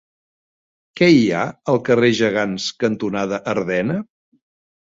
Què hi ha al carrer Gegants cantonada Ardena?